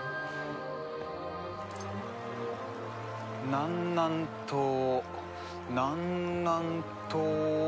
南南東南南東。